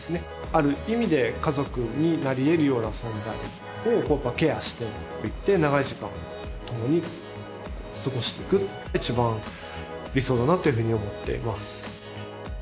ある意味で家族になりえるような存在をケアしていって長い時間をともに過ごしていく一番理想だなというふうに思っています